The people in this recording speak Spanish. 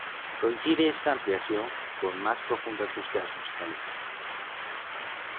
Coincide esta ampliación con más profundas búsquedas musicales.